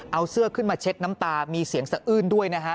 เอาเสื้อขึ้นมาเช็ดน้ำตามีเสียงสะอื้นด้วยนะฮะ